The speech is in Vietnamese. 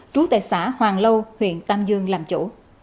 trú tại xã hoàng lâu huyện tam dương làm chủ